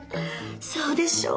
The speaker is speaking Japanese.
そうでしょう？